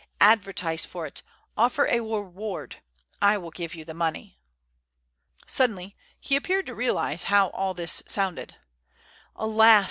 Advertise for it. Offer a reward. I will give you the money." Suddenly he appeared to realize how all this sounded. "Alas!"